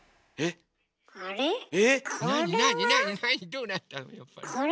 どうなったのよこれ。